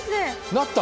なった。